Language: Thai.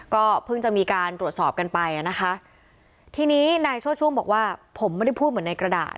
ก็เพิ่งจะมีการตรวจสอบกันไปอ่ะนะคะทีนี้นายโชชุ่มบอกว่าผมไม่ได้พูดเหมือนในกระดาษ